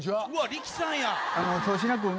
力さんや。